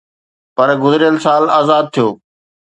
پر گذريل سال آزاد ٿيو